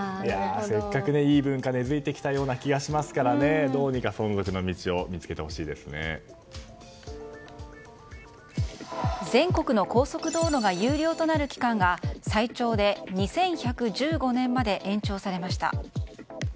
せっかくいい文化が根付いてきたような気が全国の高速道路が有料となる期間が最長で２１１５年まで延長されました。